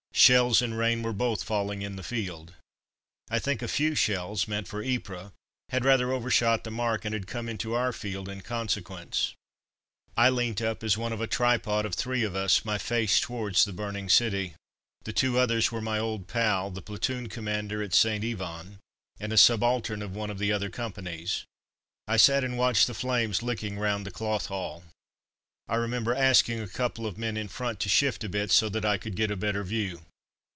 Shells and rain were both falling in the field. I think a few shells, meant for Ypres, had rather overshot the mark and had come into our field in consequence. I leant up as one of a tripod of three of us, my face towards the burning city. The two others were my old pal, the platoon commander at St. Yvon, and a subaltern of one of the other companies. I sat and watched the flames licking round the Cloth Hall. I remember asking a couple of men in front to shift a bit so that I could get a better view.